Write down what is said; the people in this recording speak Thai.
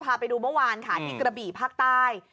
พาไปดูเมื่อวานค่ะที่กระบี่ภาคใต้